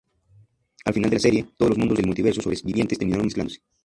Al final de la serie, todos los mundos del multiverso sobrevivientes terminaron mezclándose.